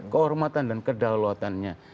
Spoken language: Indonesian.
kehormatan dan kedalawatannya